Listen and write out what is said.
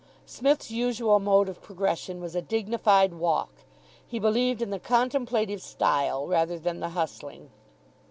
Psmith's usual mode of progression was a dignified walk. He believed in the contemplative style rather than the hustling.